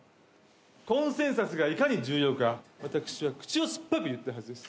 コンセンサスがいかに重要か私は口を酸っぱく言ったはずです。